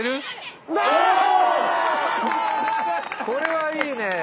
これはいいね！